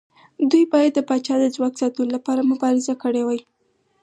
دوی باید د پاچا د ځواک ساتلو لپاره مبارزه کړې وای.